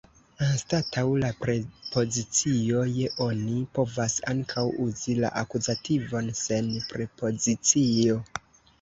Anstataŭ la prepozicio je oni povas ankaŭ uzi la akuzativon sen prepozicio.